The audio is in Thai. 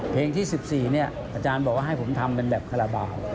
เพลงที่๑๔เนี่ยอาจารย์บอกว่าให้ผมทำกันแบบคาราบาล